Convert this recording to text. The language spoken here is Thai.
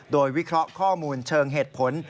โดยวิเคราะห์ข้อมูลเชิงเหตุผล